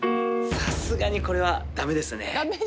さすがにこれはダメですね。